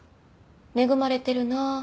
「恵まれてるな」